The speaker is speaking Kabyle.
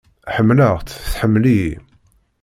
Ḥemmleɣ-tt, tḥemmel-iyi.